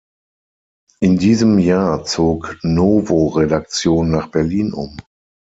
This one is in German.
In diesem Jahr zog Novo-Redaktion nach Berlin um.